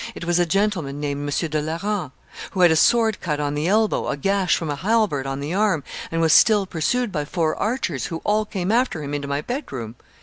It was a gentleman named M. de Leran, who had a sword cut on the elbow, a gash from a halberd on the arm, and was still pursued by four archers, who all came after him into my bedroom.